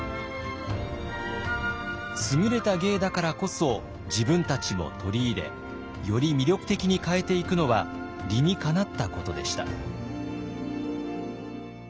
優れた芸だからこそ自分たちも取り入れより魅力的に変えていくのは理にかなったことでした。